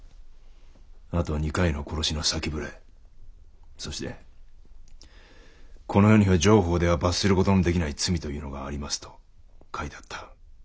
あと２回の殺しの先触れそして「この世には定法では罰する事のできない罪というのがあります」と書いてあった。